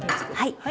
はい。